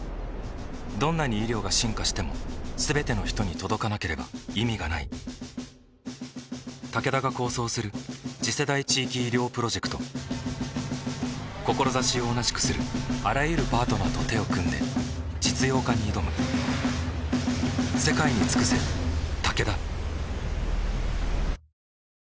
どんなに医療が進化しても全ての人に届かなければ意味がないタケダが構想する次世代地域医療プロジェクト志を同じくするあらゆるパートナーと手を組んで実用化に挑むよしっ！